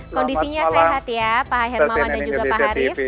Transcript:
kondisinya sehat ya pak hermawan dan juga pak harif